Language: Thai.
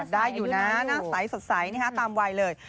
ได้อยู่นะหน้าใสสดใสตามวัยเลย